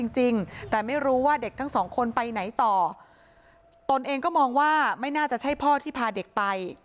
จริงแต่ไม่รู้ว่าเด็กทั้งสองคนไปไหนต่อตนเองก็มองว่าไม่น่าจะใช่พ่อที่พาเด็กไป